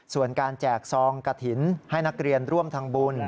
ส่วนการแจกซองกระถิ่นให้นักเรียนร่วมทำบุญ